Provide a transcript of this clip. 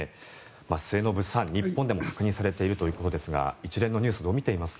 末延さん、日本でも確認されているということですが一連のニュースをどう見ていますか？